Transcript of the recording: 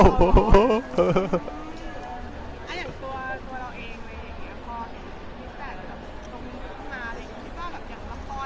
ตัวเราเองตรงนี้ลุงมา